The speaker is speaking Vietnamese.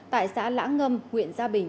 tại xã lã ngâm huyện gia bình